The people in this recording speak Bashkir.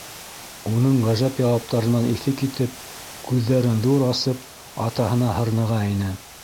Уның ғәжәп яуаптарынан иҫе китеп, күҙҙәрен ҙур асып, атаһына һырныға ине.